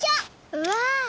うわ！